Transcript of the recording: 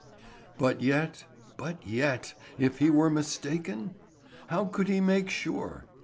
But yet, but yet—if he were mistaken? How could he make sure?